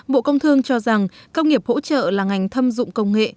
bộ công thương cho rằng công nghiệp hỗ trợ là ngành thâm dụng công nghệ